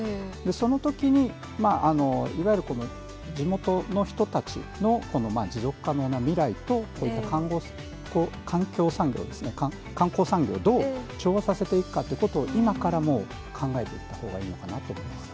そのときに、いわゆる地元の人たちの持続可能な未来とこういった観光産業ですね、観光産業をどう調和させていくかっていうことを今からもう、考えていく方がいいのかなと思います。